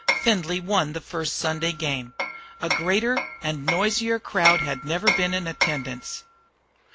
Findlay won the first Sunday game. A greater and noisier crowd had never before been in attendance.